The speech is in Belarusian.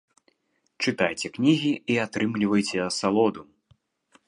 Чытайце кнігі і атрымлівайце асалоду!